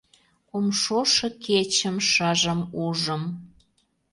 Кум шошо кечым шыжым ужым, –